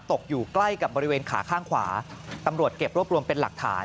ตกอยู่ใกล้กับบริเวณขาข้างขวาตำรวจเก็บรวบรวมเป็นหลักฐาน